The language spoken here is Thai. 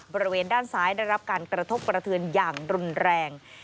บริเวณด้านซ้ายได้รับการกระทบกระเทือนอย่างรุนแรง